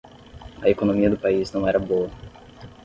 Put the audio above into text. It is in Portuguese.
A economia do país não era boa.